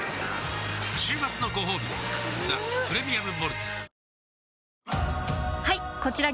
週末のごほうび「ザ・プレミアム・モルツ」